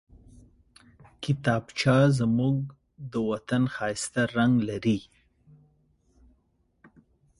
کتابچه زموږ د وطن ښايسته رنګ لري